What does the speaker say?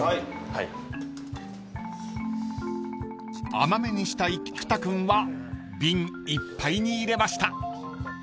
［甘めにしたい菊田君は瓶いっぱいに入れました］